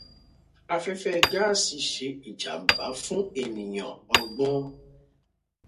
Afẹ́fẹ́ gáàsì ṣe ìjàmba fún ènìyàn ọgbọ̀n.